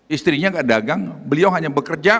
istrinya nggak dagang beliau hanya bekerja